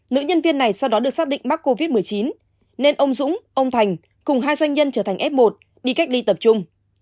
nữ nhân viên này sau đó được xác định mắc covid một mươi chín nên ông dũng ông thành cùng hai doanh nhân trở thành f một đi cách ly tập trung